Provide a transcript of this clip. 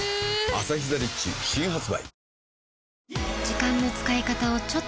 「アサヒザ・リッチ」新発売